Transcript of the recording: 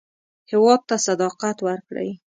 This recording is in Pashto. هېواد ته صداقت ورکړئ